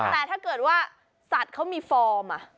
แต่ถ้าเกิดว่าสัตว์เขามีฟอร์ม